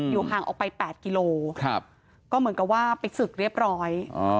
ห่างออกไป๘กิโลก็เหมือนกับว่าไปศึกเรียบร้อย